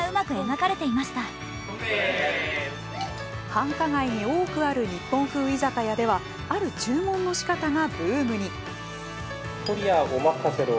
繁華街に多くある日本風居酒屋ではある注文の仕方がブームに。